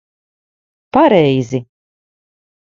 Pareizi.